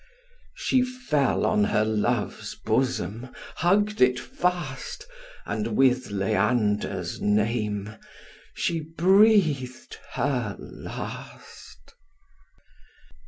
She fell on her love's bosom, hugg'd it fast, And with Leander's name she breath'd her last.